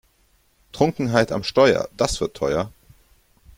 Trunkenheit am Steuer, das wird teuer!